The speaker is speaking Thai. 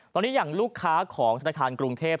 ตอนนี้อย่างลูกค้าของธนาคารกรุงเทพ